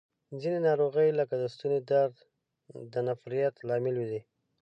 ځینې ناروغۍ لکه د ستوني درد د نفریت لامل دي.